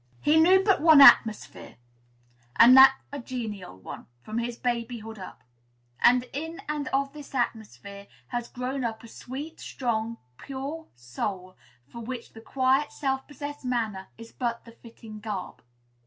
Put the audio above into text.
He knew but one atmosphere, and that a genial one, from his babyhood up; and in and of this atmosphere has grown up a sweet, strong, pure soul, for which the quiet, self possessed manner is but the fitting garb.